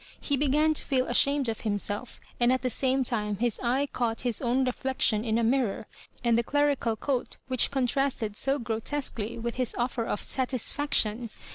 He began to feel ashamed of himself and at the same time his eye caught bis own reflection in a mirror, and the clerical coat which contrasted so grotesquely with his offer of " satisfaction."